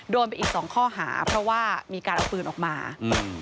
โดนไปอีกสองข้อหาเพราะว่ามีการเอาปืนออกมาอืม